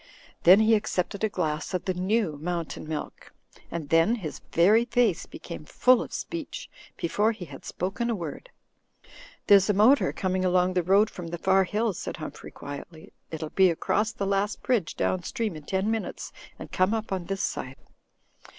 Then he accepted a glass of the new Mountain Milk ; and then his very face became full of speech, before he had spoken a word. "There's a motor coming along the road from the far hills," said Humphrey, quietly. "It'll be across the last bridge down stream in ten minutes and come up on this side."